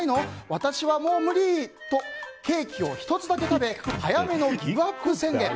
私はもう無理ー！とケーキを１つだけ食べ早めのギブアップ宣言。